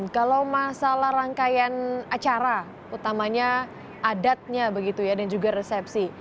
kalau masalah rangkaian acara utamanya adatnya begitu ya dan juga resepsi